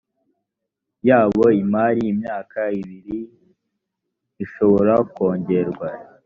yabo imara imyaka ibiri ishobora kongerwa